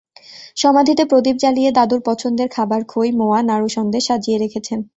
সমাধিতে প্রদীপ জ্বালিয়ে দাদুর পছন্দের খাবার খই, মোয়া, নাড়ু-সন্দেশ সাজিয়ে রেখেছেন।